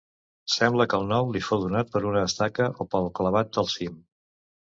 Sembla que el nom li fou donat per una estaca o pal clavat al cim.